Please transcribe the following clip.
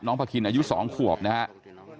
น้องพะคินอายุ๒ขวบนะครับ